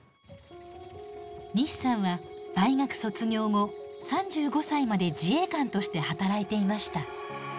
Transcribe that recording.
西さんは大学卒業後３５歳まで自衛官として働いていました。